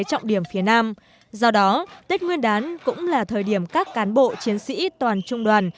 trọng điểm phía nam do đó tết nguyên đán cũng là thời điểm các cán bộ chiến sĩ toàn trung đoàn